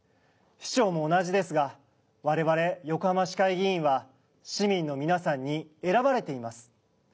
市長も同じですが我々横浜市会議員は市民の皆さんに選ばれています。